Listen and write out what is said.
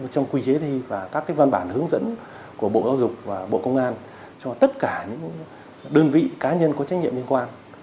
trong quy chế thi và các văn bản hướng dẫn của bộ giáo dục và bộ công an cho tất cả những đơn vị cá nhân có trách nhiệm liên quan